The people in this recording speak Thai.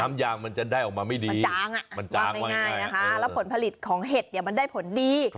น้ำยางมันจะได้ออกมาไม่ดีมันจางง่ายนะคะแล้วผลผลิตของเห็ดเนี่ยมันได้ผลดี